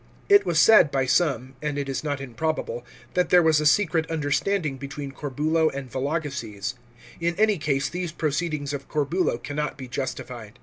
It was said, by some, and it is not improbable, that there was a secret understanding between Corbulo and Vologeses. In any case these proceedings of Corbulo cannot be justified.